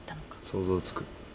想像つく。